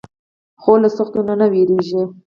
خور له سختیو نه نه وېریږي.